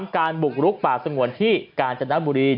๓การบุกลุกป่าสงวนที่การจัดน้ำบุรี